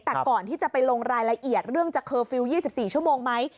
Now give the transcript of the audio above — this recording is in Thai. แต่ก่อนที่จะไปลงรายละเอียดเรื่องจะเคอร์ฟิลล์๒๔ชั่วโมงไหม